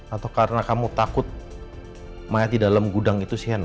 atau karena kamu takut mayat di dalam gudang itu sih enak